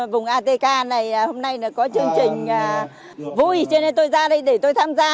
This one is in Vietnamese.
vùng atk này hôm nay có chương trình vui cho nên tôi ra đây để tôi tham gia